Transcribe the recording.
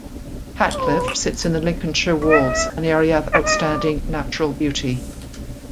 Hatcliffe sits in the Lincolnshire Wolds, an Area of Outstanding Natural Beauty.